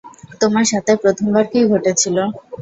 তোমার সাথে প্রথমবার কি ঘটে ছিল?